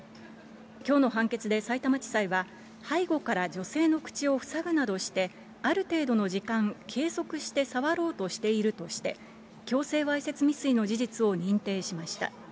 きょうの判決でさいたま地裁は、背後から女性の口を塞ぐなどして、ある程度の時間、継続して触ろうとしているとして、強制わいせつ未遂の事実を認定しました。